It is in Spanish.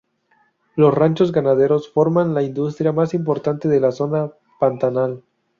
Los ranchos ganaderos forman la industria más importante de la zona Pantanal.